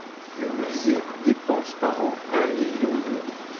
Le musée dépense par an un million d'euro.